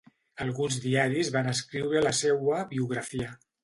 Alguns diaris van escriure la seua biografia.